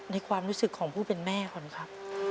ในความรู้สึกของผู้เป็นแม่ค่อนข้าง